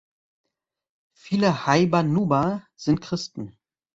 Viele Heiban-Nuba sind Christen.